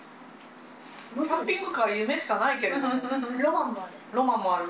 キャンピングカーは夢しかなロマンもある。